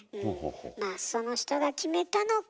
まあその人が決めたのか